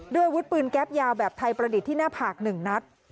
ด้วยวุฒิปืนแก๊บยาวแบบไทยประดิษฐ์ที่หน้าผากหนึ่งนัก